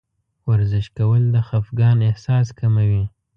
ورزش کول د خفګان احساس کموي.